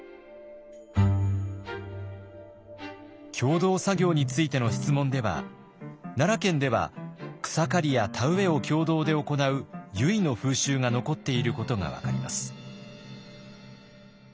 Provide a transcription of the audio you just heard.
共同作業についての質問では奈良県では草刈りや田植えを共同で行うユイの風習が残っていることが分かります。